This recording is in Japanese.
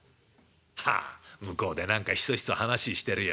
はあ向こうで何かひそひそ話してるよ。